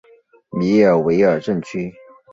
米尔维尔镇区。